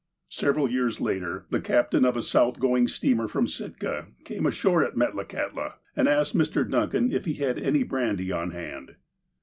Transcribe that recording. Several years later, the captain of a South going steamer from Sitka came ashore at Metlakahtla, and asked Mr. Duncan if he had any brandy on hand.